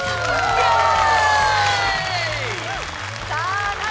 イエーイ！！